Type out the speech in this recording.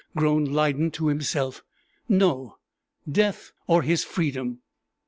groaned Lydon to himself. "No! death or his freedom."